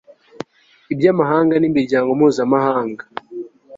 iby'amahanga n'imiryango mpuzamahanga